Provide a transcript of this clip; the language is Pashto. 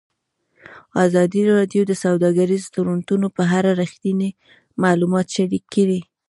ازادي راډیو د سوداګریز تړونونه په اړه رښتیني معلومات شریک کړي.